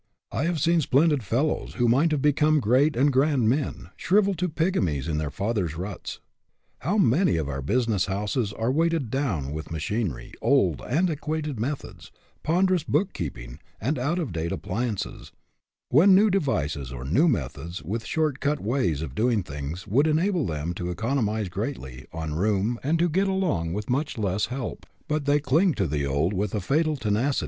I have seen splendid fellows, who might have become great and grand men, shrivel to pygmies in their fathers' ruts. How many of our business houses are weighted down with machinery, old, anti quated methods, ponderous bookkeeping, and out of date appliances, when new devices, or new methods with short cut ways of doing things would enable them to economize greatly on room and to get along with much less help ; but they cling to the old with a fatal tenacity.